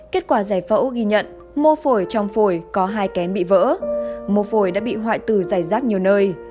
kết quả giải phẫu ghi nhận mô phổi trong phổi có hai kén bị vỡ mô phổi đã bị hoại tử dài rác nhiều nơi